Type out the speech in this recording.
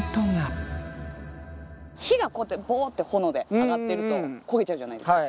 火がこうやってボって炎で上がってると焦げちゃうじゃないですか。